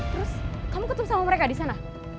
terus kamu ketemu sama mereka disana